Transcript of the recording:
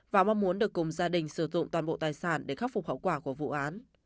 và mong muốn được cùng gia đình sử dụng toàn bộ tài sản để khắc phục hậu quả của vụ án